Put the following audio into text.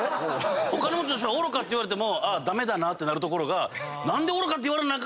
お金持ちは愚かって言われても駄目だなってなるところが何で愚かって言われなあ